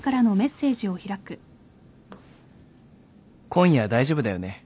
「今夜大丈夫だよね？